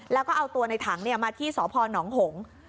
แล้วก็เอาตัวในถังมาที่สพนหงษ์